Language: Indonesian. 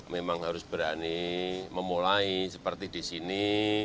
memang harus berani memulai seperti di sini